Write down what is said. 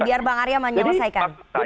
biar bang arya menyelesaikan